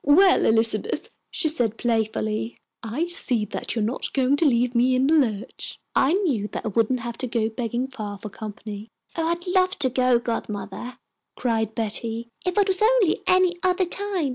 "Well, Elizabeth," she said, playfully, "I see that you are not going to leave me in the lurch. I knew that I wouldn't have to go begging far for company." "Oh, I'd love to go, godmother," cried Betty, "if it was only any other time.